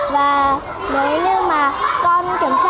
và nếu như mà con kiểm tra